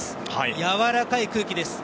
やわらかい空気です。